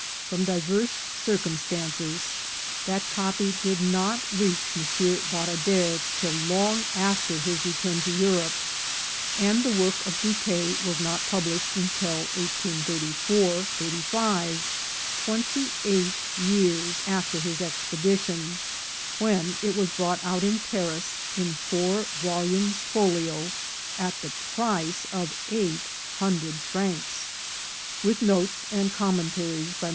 From divers circum stances, that copy did not reach M. Baradere till long after his return to France, and the work of Dupaix was not published until 1834, '5, twenty eight years after his expedition, when it was brought out in Paris, in four volumes folio, at the price of eight hundred francs, with notes and commentaries by M.